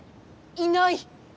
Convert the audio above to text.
いない！